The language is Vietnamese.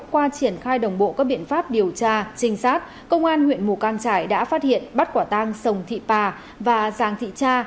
qua triển khai đồng bộ các biện pháp điều tra trinh sát công an huyện mù căng trải đã phát hiện bắt quả tang sồng thị pà và giàng thị cha